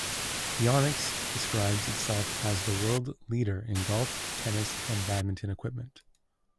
Yonex describes itself as the world leader in golf, tennis and badminton equipment.